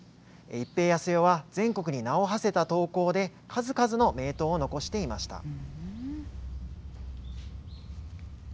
一平安代は全国に名をはせた刀工で、数々の名刀を残していました。